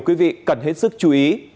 quý vị cần hết sức chú ý